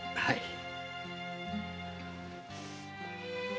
はい。